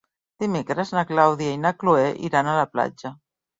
Dimecres na Clàudia i na Cloè iran a la platja.